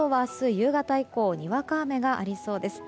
夕方にわか雨がありそうです。